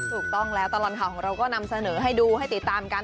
ถูกต้องแล้วตลอดข่าวของเราก็นำเสนอให้ดูให้ติดตามกัน